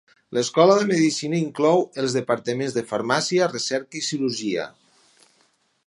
L'Escola de medicina inclou els departaments de farmàcia, recerca i cirurgia.